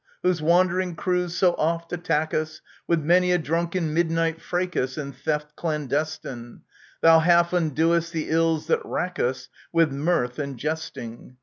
Whose wandering crews so oft attack us With many a drunken midnight fracas And theft clandestine ! Thou half undo'st the ills that wrack us With mirth and jesting